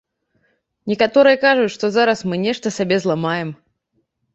Некаторыя кажуць, што зараз мы нешта сабе зламаем.